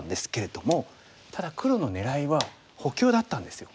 ただ黒の狙いは補強だったんですよ。